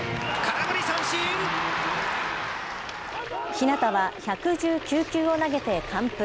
日當は１１９球を投げて完封。